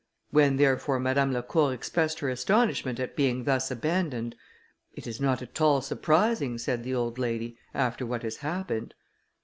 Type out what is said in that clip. When, therefore, Madame Lacour expressed her astonishment at being thus abandoned, "It is not at all surprising," said the old lady, "after what has happened."